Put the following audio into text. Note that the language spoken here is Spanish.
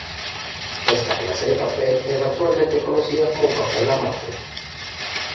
Esta clase de papel es actualmente conocida como papel amate.